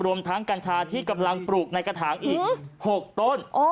รวมทั้งกัญชาที่กำลังปลูกในกระถางอีก๖ต้น